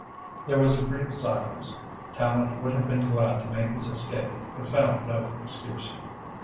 There was a brief silence. Tallente would have been glad to make his escape, but found no excuse.